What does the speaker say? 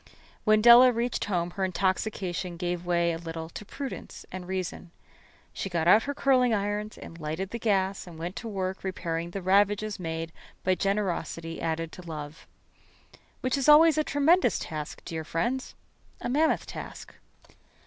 When Della reached home her intoxication gave way a little to prudence and reason. She got out her curling irons and lighted the gas and went to work repairing the ravages made by generosity added to love. Which is always a tremendous task, dear friends a mammoth task.